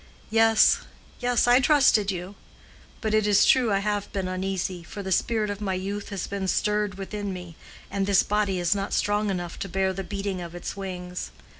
"Yes—yes, I trusted you. But it is true I have been uneasy, for the spirit of my youth has been stirred within me, and this body is not strong enough to bear the beating of its wings.